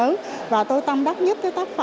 cũng và cái tính độc đáo của họ thì cũng rất là lớn